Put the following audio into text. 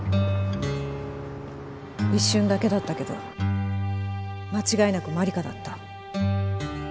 一瞬だけだったけど間違いなく万理華だった